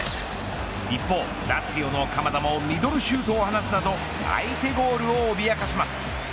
一方、ラツィオの鎌田もミドルシュートを放つなど相手ゴールをおびやかします。